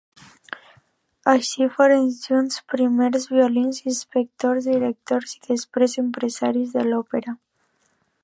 Així foren junts primers violins, inspectors, directors i després empresaris de l'Òpera.